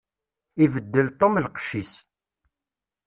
Ibeddel Tom lqecc-is.